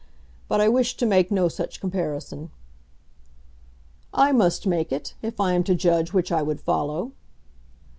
But I wish to make no such comparison." "I must make it, if I am to judge which I would follow."